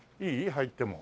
入っても。